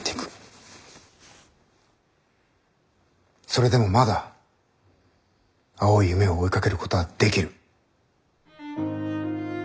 それでもまだ青い夢を追いかけることはできる。